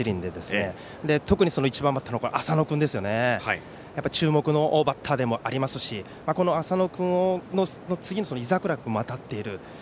特に１番バッターの浅野君注目のバッターでもありますし浅野君に加えて井櫻君も当たっている。